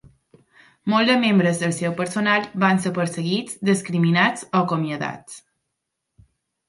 Molts dels membres del seu personal van ser perseguits, discriminats o acomiadats.